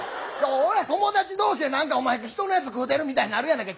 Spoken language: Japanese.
俺ら友達同士で人のやつ食うてるみたいなるやないか。